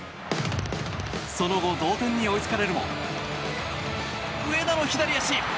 その後、同点に追いつかれるも上田の左足！